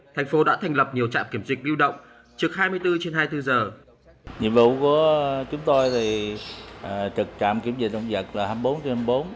thành phố đã thành lập nhiều trạm kiểm dịch biêu động trực hai mươi bốn trên hai mươi bốn giờ